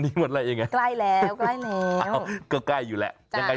นี้หมดไล่ยังไงใกล้แล้วกรับก็ใกล้แล้วอยู่แหละยันไง